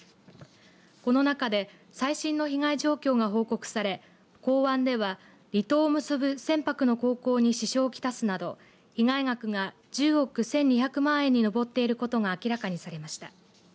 この中で、最新の被害状況が報告され港湾では、離島を結ぶ船舶の航行に支障をきたすなど被害額が１０億１２００万円に上っていることが明らかにされました。